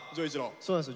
そうなんです